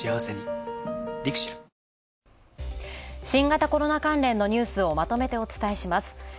新型コロナ関連のニュースをまとめてお伝えします。